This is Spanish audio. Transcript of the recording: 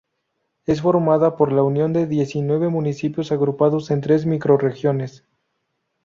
Es formada por la unión de diecinueve municipios agrupados en tres microrregiones.